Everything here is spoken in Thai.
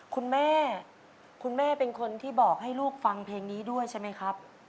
คุณแม่คุณแม่เป็นคนที่บอกให้ลูกฟังเพลงนี้ด้วยใช่ไหมครับ